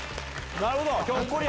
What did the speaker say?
なるほど。